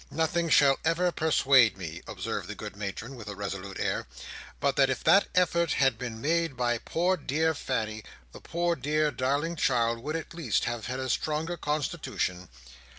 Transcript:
Nothing shall ever persuade me," observed the good matron, with a resolute air, "but that if that effort had been made by poor dear Fanny, the poor dear darling child would at least have had a stronger constitution."